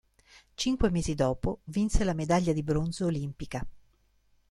Cinque mesi dopo vinse la medaglia di bronzo olimpica.